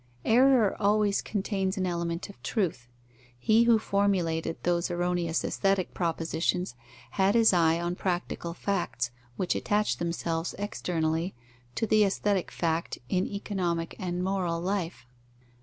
Error always contains an element of truth. He who formulated those erroneous aesthetic propositions had his eye on practical facts, which attach themselves externally to the aesthetic fact in economic and moral life.